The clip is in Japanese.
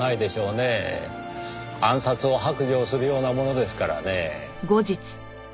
暗殺を白状するようなものですからねぇ。